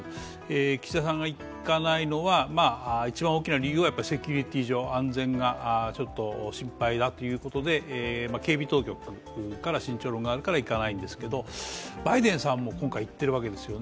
岸田さんが行かないのは、一番大きな理由はセキュリティー上、安全がちょっと心配だということで警備当局から慎重論があるから行かないんですけどバイデンさんも今回、行ってるわけですよね。